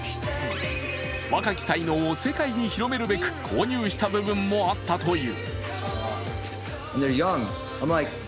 若き才能を世界に広めるべく購入した部分もあったという。